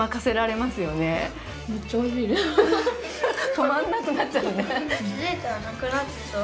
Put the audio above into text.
止まらなくなっちゃうね。